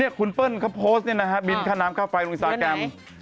คุณเปิ้ลเขาโพสต์นี่นะฮะบินค่าน้ำค่าไฟลงอินสตาแกรม